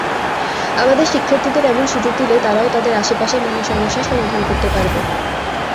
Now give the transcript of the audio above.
আমাদের শিক্ষার্থীদের এমন সুযোগ দিলে তারাও তাদের আশপাশের নানা সমস্যার সমাধান করতে পারবে।